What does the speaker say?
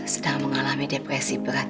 sedang mengalami depresi berat